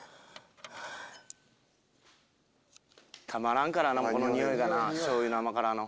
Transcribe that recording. たまらんからなこの匂いがなしょうゆの甘辛の。